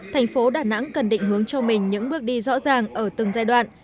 thành phố đà nẵng cần định hướng cho mình những bước đi rõ ràng ở từng giai đoạn